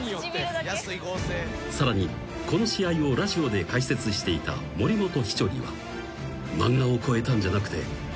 ［さらにこの試合をラジオで解説していた森本稀哲は］